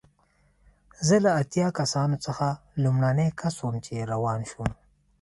زه له اتیا کسانو څخه لومړنی کس وم چې روان شوم.